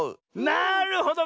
なるほど。